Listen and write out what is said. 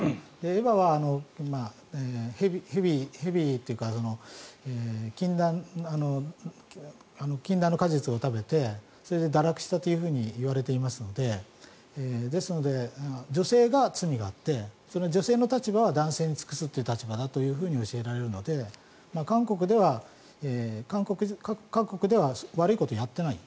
エバは蛇というか禁断の果実を食べてそれで堕落したといわれていますのでですので、女性が罪があって女性の立場は男性に尽くすという立場だと教えられるので韓国では悪いことをやっていない。